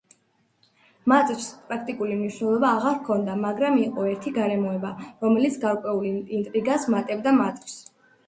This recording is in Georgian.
მატჩს პრაქტიკული მნიშვნელობა აღარ ჰქონდა მაგრამ იყო ერთი გარემოება, რომელიც გარკვეულ ინტრიგას მატებდა მატჩს.